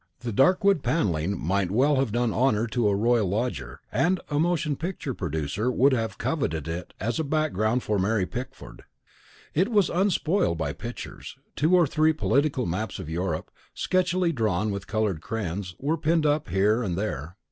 The dark wood panelling might well have done honour to a royal lodger, and a motion picture producer would have coveted it as a background for Mary Pickford. It was unspoiled by pictures: two or three political maps of Europe, sketchily drawn with coloured crayons, were pinned up here and there.